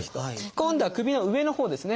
今度は首の上のほうですね。